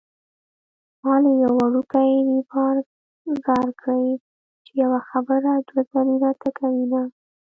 ما له وړوکي ريبار ځار کړې چې يوه خبره دوه ځلې راته کوينه